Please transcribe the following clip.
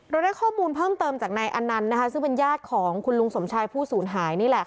เราได้ข้อมูลเพิ่มเติมจากในนั้นนะคะซึ่งเป็นญาติของคุณลุงสมชัยผู้ศูนย์หายนี่แหละ